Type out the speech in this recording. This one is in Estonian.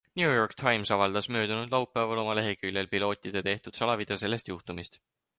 New York Times avaldas möödunud laupäeval oma leheküljel pilootide tehtud salavideo sellest juhtumist.